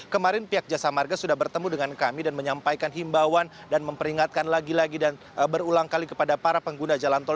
kemarin pihak jasa marga sudah bertemu dengan kami dan menyampaikan himbauan dan memperingatkan lagi lagi dan berulang kali kepada para pengguna jalan tol